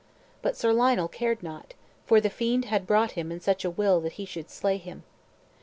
But Sir Lionel cared not, for the fiend had brought him in such a will that he should slay him.